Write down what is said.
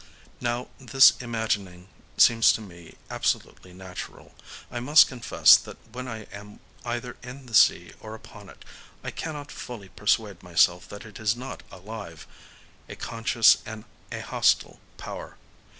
Now this imagining seems to me absolutely natural. I must confess that when I am either in the sea, or upon it, I cannot fully persuade myself that it is not alive,—a conscious and a hostile power.